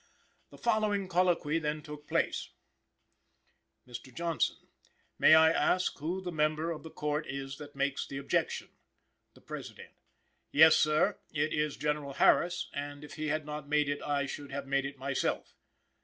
The following colloquy then took place: "Mr. Johnson. May I ask who the member of the Court is that makes that objection? "The President. Yes, sir, it is General Harris, and, if he had not made it, I should have made it myself.